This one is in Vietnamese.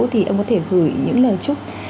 thì ông có thể gửi những lời chúc